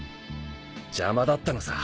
邪魔だったのさ。